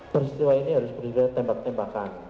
peristiwa ini harus berdiri dari tembak tembakan